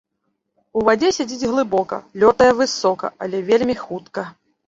У вадзе сядзіць глыбока, лётае высока, але вельмі хутка.